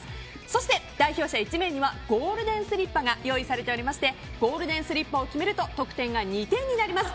そして代表者１名にはゴールデンスリッパが用意されておりましてゴールデンスリッパを決めると得点が２点となります。